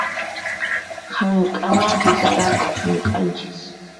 Hamk'anapi sarata hamk'anchis.